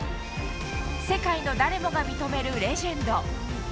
世界のだれもが認めるレジェンド。